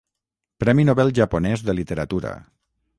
Premi Nobel japonès de literatura.